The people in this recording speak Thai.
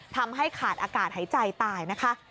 ทำให้ขาดอากาศหายใจตายนะคะ